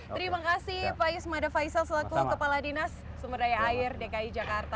terima kasih pak yusma davaisel selaku kepala dinas sumberdaya air dki jakarta